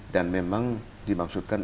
dan memang dimaksudkan